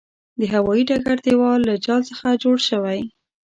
د هوايې ډګر دېوال له جال څخه جوړ شوی.